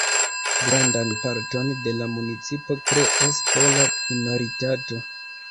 Grandan parton de la municipo kreas pola minoritato.